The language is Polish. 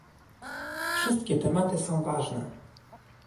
Wszystkie tematy są ważne